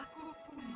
aku pun mah